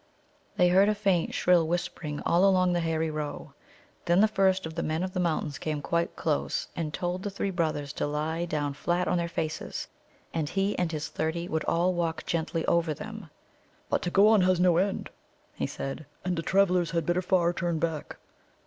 They heard a faint, shrill whispering all along the hairy row. Then the first of the Men of the Mountains came quite close, and told the three brothers to lie down flat on their faces, and he and his thirty would all walk gently over them. "But to go on has no end," he said, "and the travellers had better far turn back."